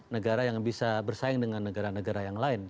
negara yang bisa bersaing dengan negara negara yang lain